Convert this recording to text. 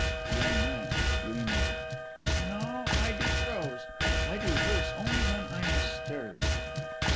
THE YOUNG MAN: (Dreamily) No. I do prose. I do verse only when I am stirred.